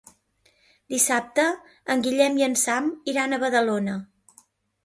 Dissabte en Guillem i en Sam iran a Badalona.